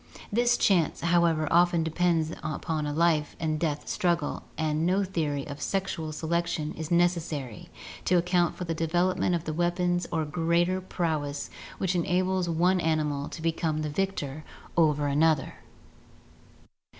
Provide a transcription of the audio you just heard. This chance, however, often depends upon a life and death struggle and no theory of sexual selection is necessary to account for the development of the weapons or greater prowess which enables one animal to become the victor over another.